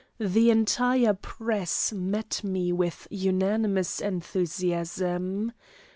The entire press met me with unanimous enthusiasm.